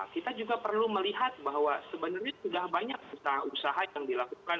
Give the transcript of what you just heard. kita juga perlu melihat bahwa sebenarnya sudah banyak usaha usaha yang dilakukan